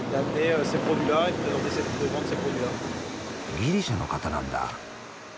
ギリシャの方なんだ。